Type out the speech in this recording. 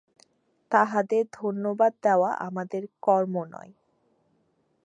তাঁহাদের ধন্যবাদ দেওয়া আমাদের কর্ম নয়।